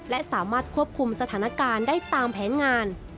และสามารถควบคุมสถานการณ์ได้ตามแผนงาน